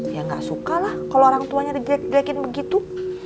ya nggak suka lah kalau orang tuanya digekin begitu